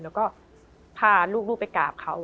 แล้วก็พาลูกไปกราบเขา